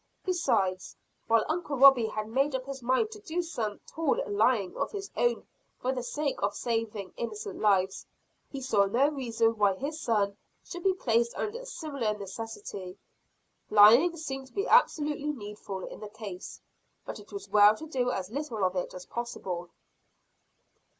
Besides, while Uncle Robie had made up his mind to do some tall lying of his own for the sake of saving innocent lives, he saw no reason why his son, should be placed under a similar necessity. Lying seemed to be absolutely needful in the case; but it was well to do as little of it as possible.